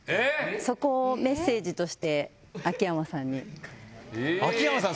そこをメッセージとして秋山さんに秋山さん